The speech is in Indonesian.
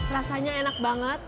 rasanya enak banget